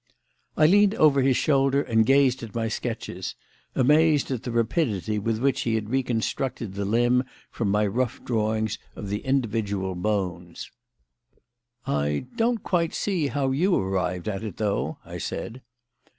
I leaned over his shoulder and gazed at my sketches, amazed at the rapidity with which he had reconstructed the limb from my rough drawings of the individual bones. "I don't quite see how you arrived at it, though," I said.